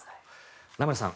名村さん